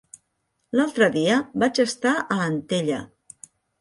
L'altre dia vaig estar a Antella.